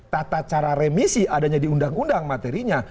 tata cara remisi adanya di undang undang materinya